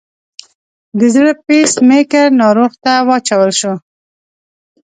د زړه پیس میکر ناروغ ته واچول شو.